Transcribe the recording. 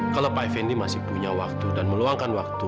kalau pak effendi masih punya waktu dan meluangkan waktu